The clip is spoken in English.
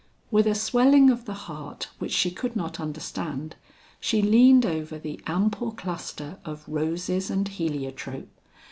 With a swelling of the heart which she could not understand, she leaned over the ample cluster of roses and heliotrope.